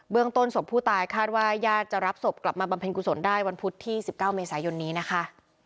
ต้นศพผู้ตายคาดว่าญาติจะรับศพกลับมาบำเพ็ญกุศลได้วันพุธที่๑๙เมษายนนี้นะคะ